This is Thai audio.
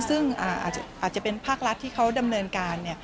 ซึ่งอาจจะเป็นภาครัฐที่เขาดำเนินการ